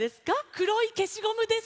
くろいけしゴムです。